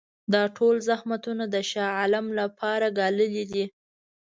دا ټول زحمتونه د شاه عالم لپاره ګاللي دي.